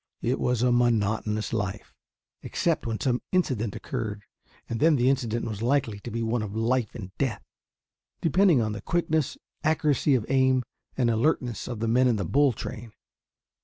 It was a monotonous life, except when some incident occurred, and then the incident was likely to be one of life and death, depending on the quickness, accuracy of aim, and alertness of the men in the "bull train."